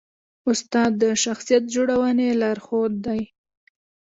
استاد د شخصیت جوړونې لارښود دی.